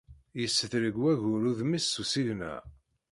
Yessedreg wayyur udem-is s usigna.